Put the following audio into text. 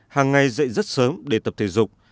hàng ngày dậy rất sớm để tập thể dục